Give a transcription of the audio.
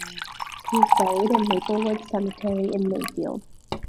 He is buried in Maplewood Cemetery in Mayfield.